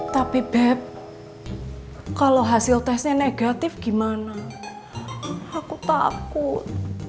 tapi beb kalau hasil tesnya negatif gimana aku takut